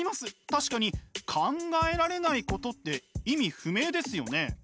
確かに「考えられないこと」って意味不明ですよね？